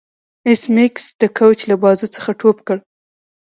ایس میکس د کوچ له بازو څخه ټوپ کړ